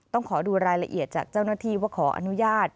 ต้องขอดูรายละเอียดจากเจ้าหน้าที่ว่าขออนุญาต